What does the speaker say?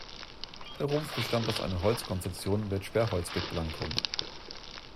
Der Rumpf bestand aus einer Holzkonstruktion mit Sperrholzbeplankung.